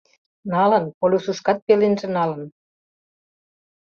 Налын, полюсышкат пеленже налын.